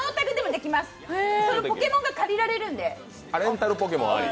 できます、それはポケモンが借りられるんで。